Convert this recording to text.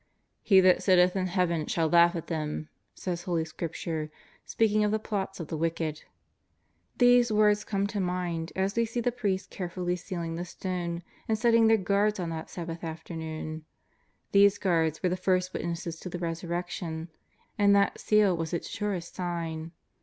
" He that sitteth in the heavens shall laugh at them," says Holy Scripture, speaking of the plots of the wicked. These words come to mind as we see the priests carefully sealing the stone and setting their guards on that Sabbath afternoon. These guards were the first witnesses to the Resurrection, and that seal was its surest sign.